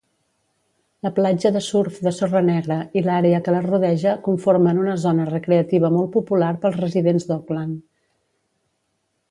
La platja de surf de sorra negra i l"àrea que la rodeja conformen una zona recreativa molt popular pels residents d"Auckland.